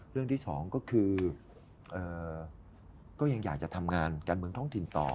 เรื่องที่สองก็คือก็ยังอยากจะทำงานการเมืองท้องถิ่นต่อ